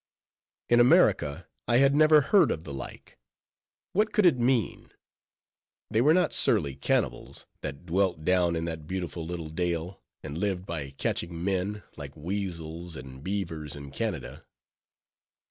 In America I had never heard of the like. What could it mean? They were not surely cannibals, that dwelt down in that beautiful little dale, and lived by catching men, like weasels and beavers in Canada!